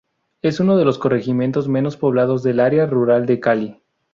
Es uno de los corregimientos menos poblados del área rural de Cali.